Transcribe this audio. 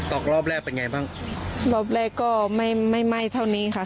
ออกรอบแรกเป็นไงบ้างรอบแรกก็ไม่ไม่ไหม้เท่านี้ค่ะ